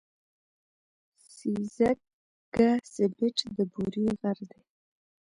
سېځگه سېبت د بوري غر دی.